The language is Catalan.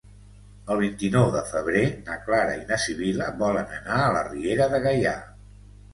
El vint-i-nou de febrer na Clara i na Sibil·la volen anar a la Riera de Gaià.